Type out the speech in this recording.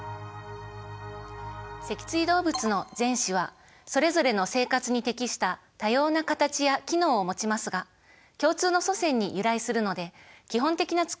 脊椎動物の前肢はそれぞれの生活に適した多様な形や機能をもちますが共通の祖先に由来するので基本的なつくりは同じなんですね。